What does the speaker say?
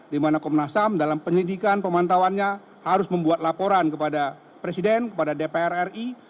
dimana komnasam dalam penyidikan pemantauannya harus membuat laporan kepada presiden kepada dpr ri